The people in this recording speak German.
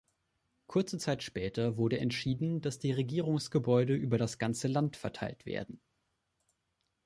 Kurze Zeit später wurde entschieden, dass die Regierungsgebäude über das ganze Land verteilt werden.